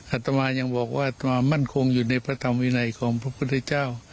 อัตมายังบอกว่าความมั่นคงอยู่ในพระธรรมวินัยของพระพุทธเจ้า